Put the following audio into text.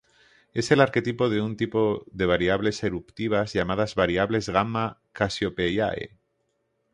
Es el arquetipo de un tipo de variables eruptivas llamadas variables Gamma Cassiopeiae.